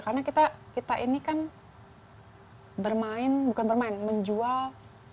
karena kita ini kan bermain bukan bermain menjual